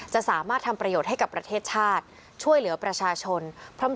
ก็มันยังไม่หมดวันหนึ่ง